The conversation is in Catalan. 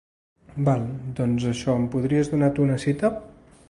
Val, doncs això em podries donar tu una cita?